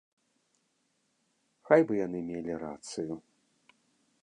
Хай бы яны мелі рацыю.